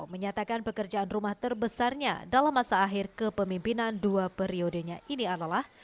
menyatakan pekerjaan rumah terbesarnya dalam masa akhir kepemimpinan dua periodenya ini adalah